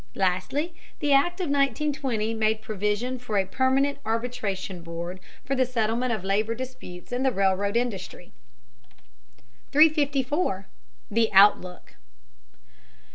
Lastly, the Act of 1920 made provision for a permanent arbitration board for the settlement of labor disputes in the railroad industry. 354. THE OUTLOOK.